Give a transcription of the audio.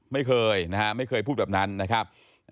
ไม่เคยนะฮะไม่เคยพูดแบบนั้นนะครับ